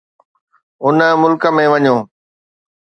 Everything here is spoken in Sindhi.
ان ملڪ ۾ وڃو.